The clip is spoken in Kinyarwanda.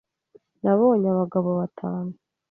Nabonye abagabo batanu.